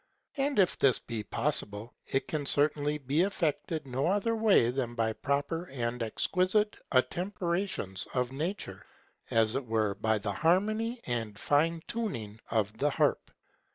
And if this be possible, it can certainly be effected no other way than by proper and exquisite attemperations of nature; as it were by the harmony and fine touching of the harp.